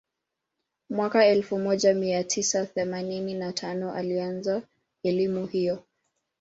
mwaka elfu moja mia tisa theemanini na tano alianza elimu hiyo